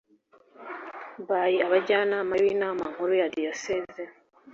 By abajyanama b inama nkuru ya diyoseze